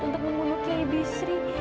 untuk mengunuh kiai bisri